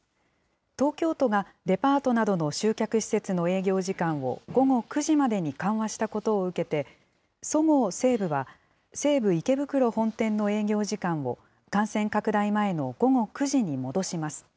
東京都がデパートなどの集客施設の営業時間を午後９時までに緩和したことを受けて、そごう・西武は、西武池袋本店の営業時間を感染拡大前の午後９時に戻します。